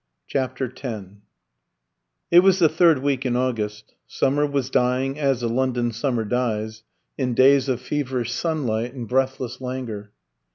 CHAPTER X It was the third week in August; summer was dying, as a London summer dies, in days of feverish sunlight and breathless languor.